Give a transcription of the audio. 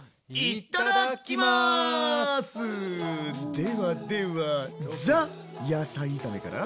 ではではザ・野菜炒めから。